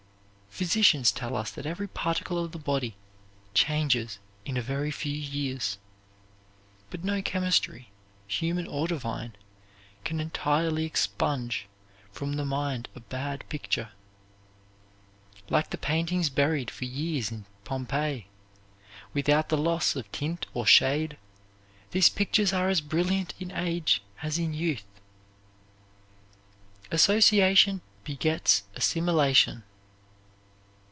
Physicians tell us that every particle of the body changes in a very few years; but no chemistry, human or divine, can entirely expunge from the mind a bad picture. Like the paintings buried for centuries in Pompeii, without the loss of tint or shade, these pictures are as brilliant in age as in youth. Association begets assimilation.